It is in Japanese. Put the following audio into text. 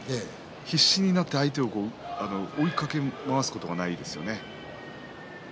必死になって相手を追いかけ回すことがないですよね。